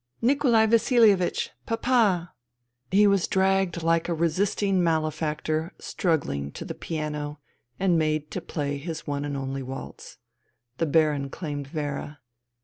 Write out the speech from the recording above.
" Nikolai VasiHevich ! Papa !" He was dragged, like a resisting malefactor, struggling, to the piano, and made to play his one and only waltz. The Baron claimed Vera.